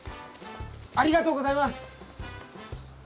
ありがとうございます！